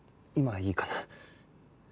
今いいかな？